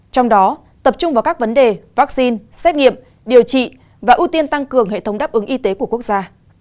trong đó tập trung vào các vấn đề vaccine xét nghiệm điều trị và ưu tiên tăng cường hệ thống đáp ứng y tế của quốc gia